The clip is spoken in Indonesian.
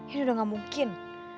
ini udah gak mungkin